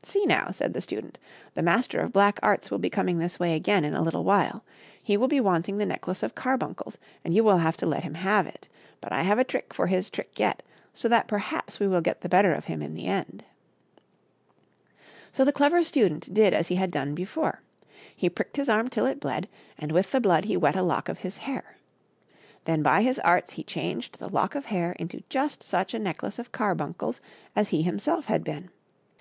" See, now," said the Student, " the Master of Black Arts will be coming this way again in a little while. He will be wanting the necklace of carbuncles, and you will have to let him have it. But I have a trick for his trick yet, so that perhaps we will get the better of him in the end." So the Clever Student did as he had done before ; he pricked his arm tengi^^acariotvbttk Black ^(Qlo 58 THE CLEVER STUDENT AND THE MASTER OF BLACK ARTS. till it bled, and with the blood he wet a lock of his hair. Then by his arts he changed the lock of hair into just such a necklace of carbuncles as he himself had been.